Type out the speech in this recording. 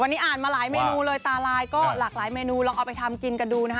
วันนี้อ่านมาหลายเมนูเลยตาลายก็หลากหลายเมนูลองเอาไปทำกินกันดูนะคะ